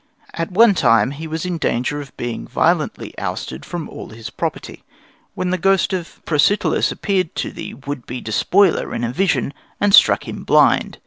At one time he was in danger of being violently ousted from all his property, when the ghost of Protesilaus appeared to the would be despoiler in a vision, and struck him blind.